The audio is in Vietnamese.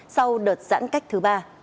sau đợt giãn cách thứ ba